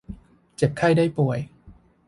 เจ็บไข้ได้ป่วย